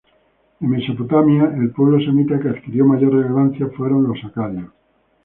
En Mesopotamia el pueblo semita que adquirió mayor relevancia fueron los acadios.